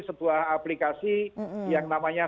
sebuah aplikasi yang namanya